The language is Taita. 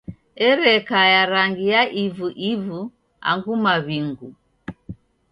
Ereka ya rangi ya ivu ivu angu maw'ingu.